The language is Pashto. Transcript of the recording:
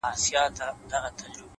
چي وايي،